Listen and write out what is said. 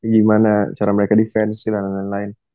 gimana cara mereka defense dan lain lain